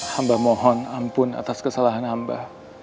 hamba mohon ampun atas kesalahan hamba